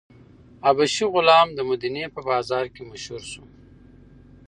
حبشي غلام د مدینې په بازار کې مشهور شو.